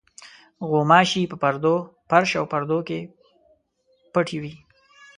غوماشې په پردو، فرش او پردو کې پټې وي.